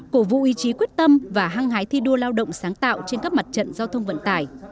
cổ vụ ý chí quyết tâm và hăng hái thi đua lao động sáng tạo trên các mặt trận giao thông vận tải